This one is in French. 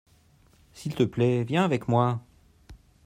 s'il te plait viens avec moi.